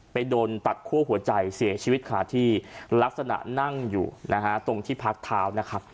โดนตัดคั่วหัวใจเสียชีวิตค่ะที่ลักษณะนั่งอยู่นะฮะตรงที่พักเท้านะครับ